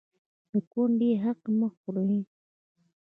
د کونډې حق مه خورئ